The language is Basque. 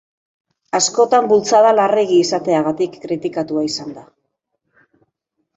Askotan bultzada larregi izateagatik kritikatua izan da.